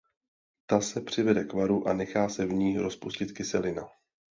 Ta se přivede k varu a nechá se v ní rozpustit kyselina.